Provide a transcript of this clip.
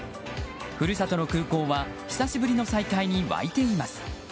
故郷の空港は久しぶりの再会に沸いています。